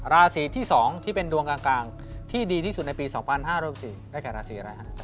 ราศิที่สองที่เป็นดวงกลางที่ดีที่สุดในปี๒๐๐๕ราศิอะไรครับ